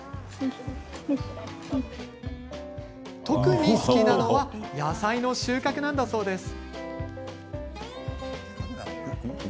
特に好きなのは野菜の収穫なんだそうです。